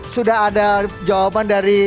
sudah ada jawaban dari